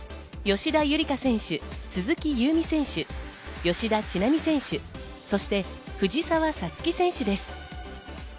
吉田夕梨花選手、鈴木夕湖選手、吉田知那美選手、そして、藤澤五月選手です。